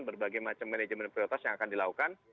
berbagai macam manajemen prioritas yang akan dilakukan